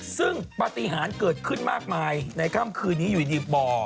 ซึ่งปฏิหารเกิดขึ้นมากมายในค่ำคืนนี้อยู่ดีบ่อ